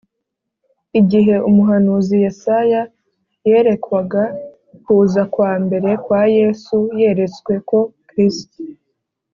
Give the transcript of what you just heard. ’ igihe umuhanuzi yesaya yerekwaga kuza kwa mbere kwa yesu, yeretswe ko kristo